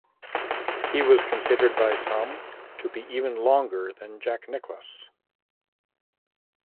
He was considered by some to be even longer than Jack Nicklaus.